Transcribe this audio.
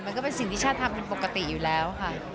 ก็เป็นสิ่งที่ชาติทำเป็นปกติอยู่แล้วค่ะ